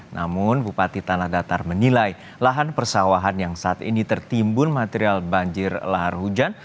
namun bupati tanah datar menilai lahan persawahan yang saat ini tertimbun material banjir lahar hujan